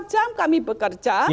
dua puluh jam kami bekerja